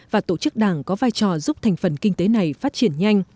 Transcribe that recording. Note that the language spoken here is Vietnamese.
và tổ chức đảng có vai trò giúp thành phần kinh tế này phát triển nhanh